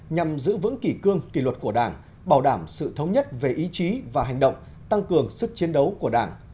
nhằm giữ vững kỳ cương kỳ luật của đảng bảo đảm sự thống nhất về ý chí và hành động tăng cường sức chiến đấu của đảng